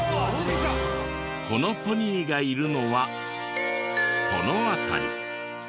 このポニーがいるのはこの辺り。